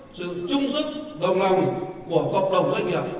sự trung sức đồng lòng của cộng đồng doanh nghiệp